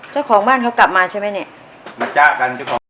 เจ้าของบ้านเขากลับมาใช่ไหมเนี่ยมาจ๊ะกันเจ้าของบ้าน